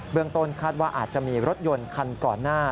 ต้นคาดว่าอาจจะมีรถยนต์คันก่อนหน้า